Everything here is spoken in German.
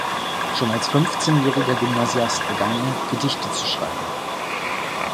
Schon als fünfzehnjähriger Gymnasiast begann er, Gedichte zu schreiben.